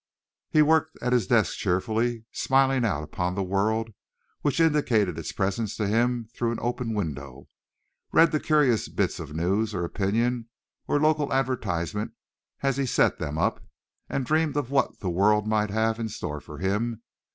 He worked at his desk cheerfully, smiling out upon the world, which indicated its presence to him through an open window, read the curious bits of news or opinion or local advertisements as he set them up, and dreamed of what the world might have in store for him.